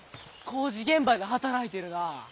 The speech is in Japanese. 工事現場で働いてるな。